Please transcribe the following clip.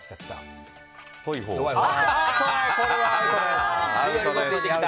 これはアウトです。